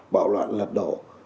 bạo loạn lật đổ